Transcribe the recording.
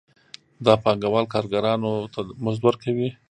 دا پانګوال کارګرانو ته مزد ورکوي